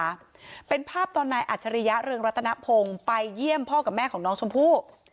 ตัวเองนะคะเป็นภาพตอนในอัตรียะเรืองรัตนพงศ์ไปเยี่ยมพ่อกับแม่ของน้องชมพู่